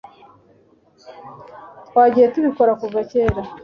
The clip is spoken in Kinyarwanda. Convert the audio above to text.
twagiye tubikora kuva kera